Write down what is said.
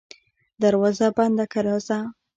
دروازه بنده که راځه.